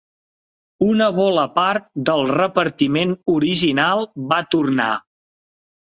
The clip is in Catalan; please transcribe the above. Una bola part del repartiment original va tornar.